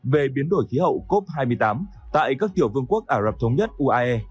về biến đổi khí hậu cop hai mươi tám tại các tiểu vương quốc ả rập thống nhất uae